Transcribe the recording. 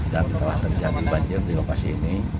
dan telah terjadi banjir di lokasi ini